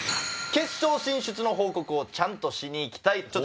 決勝進出の報告をちゃんとしに行きたい。